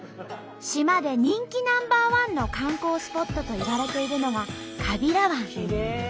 島で人気ナンバーワンの観光スポットといわれているのが川平湾。